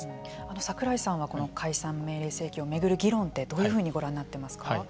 櫻井さんは解散命令請求を巡る議論ってどういうふうにご覧になってますか。